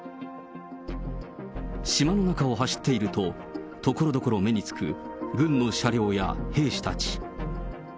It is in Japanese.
島の中を走っていると、ところどころ目に付く軍の車両や兵士たち。